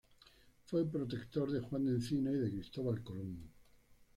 Fue protector de Juan del Encina y de Cristóbal Colón.